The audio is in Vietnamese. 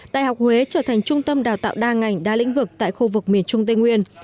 đại học huế trở thành trung tâm đào tạo đa ngành đa lĩnh vực tại khu vực miền trung tây nguyên